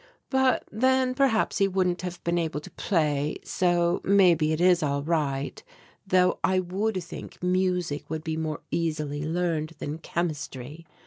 But then perhaps he wouldn't have been able to play, so maybe it is all right, though I would think music would be more easily learned than chemistry.